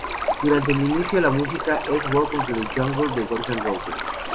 Durante el inició la música es "Welcome to the Jungle" de Guns N' Roses.